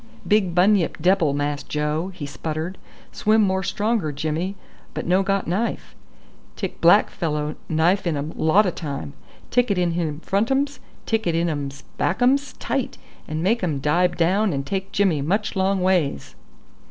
"Big bunyip debble, Mass Joe," he sputtered; "swim more stronger Jimmy, but no got knife. Tick black fellow knife in um lot o' time. Tick it in him frontums, tick it in ums back ums tight, and make um dibe down and take Jimmy much long ways."